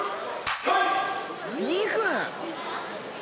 ２分！？